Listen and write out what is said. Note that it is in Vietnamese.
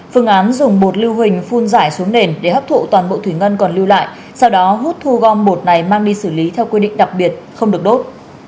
phương án dùng bột lưu hình phun giải xuống nền để hấp thụ toàn bộ thủy ngân còn lưu lại sau đó hút thu gom bột này mang đi xử lý theo quy định đặc biệt không được đốt